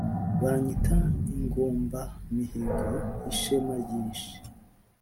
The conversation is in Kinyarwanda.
banyita ingombamihigo y'ishema ryinshi.